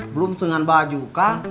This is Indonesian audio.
belum sengan baju kang